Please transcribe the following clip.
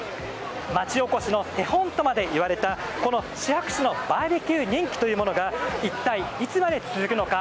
町おこしの手本とまで言われたこのシハク市のバーべキュー人気が一体、いつまで続くのか